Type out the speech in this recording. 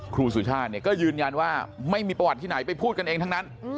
ครูสุชาติก็ยืนยันว่าไม่มีประวัติที่ไหนไปพูดกันเองทั้งนั้น